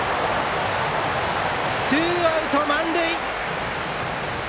ツーアウト、満塁。